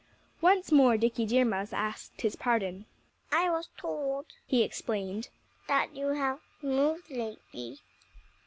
Once more Dickie Deer Mouse asked his pardon. "I was told," he explained, "that you had moved lately.